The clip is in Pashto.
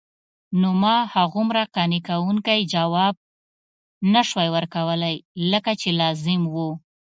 نو ما هغومره قانع کوونکی ځواب نسوای ورکولای لکه چې لازم وو.